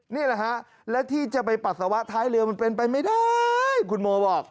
นี่แหละฮะและที่จะไปปัสสาวะท้ายเรือมันเป็นไปไม่ได้คุณโมบอก